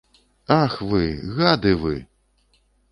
Ах, вы, гады вы!